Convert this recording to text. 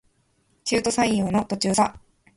中途採用の途中さ